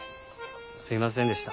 すいませんでした。